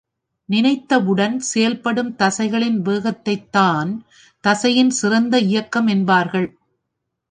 நினைத்தவுடன் செயல்படும் தசைகளின் வேகத்தைத் தான் தசையின் சிறந்த இயக்கம் என்பார்கள்.